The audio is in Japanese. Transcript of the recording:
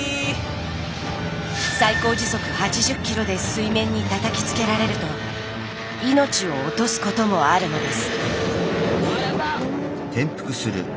最高時速８０キロで水面にたたきつけられると命を落とすこともあるのです。